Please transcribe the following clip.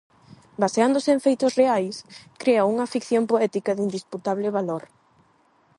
Baseándose en feitos reais, crea unha ficción poética de indisputable valor.